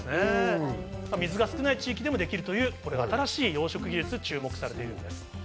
水が少ない地域でもできるという新しい養殖技術、注目されています。